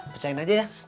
pecahin aja ya